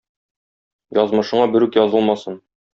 Язмышыңа берүк язылмасын.